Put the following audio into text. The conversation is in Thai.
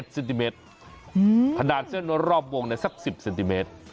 ๗ซินติเมตรอืมผนานเส้นรอบวงเนี่ยสัก๑๐ซินติเมตร